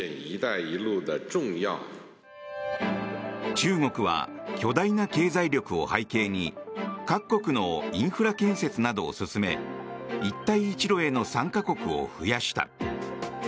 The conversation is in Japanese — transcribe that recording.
中国は巨大な経済力を背景に各国のインフラ建設などを進め一帯一路への参加国を増やした。